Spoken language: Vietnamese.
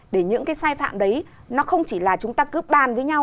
để những cái sai phạm đấy nó không chỉ là chúng ta cứ bàn với nhau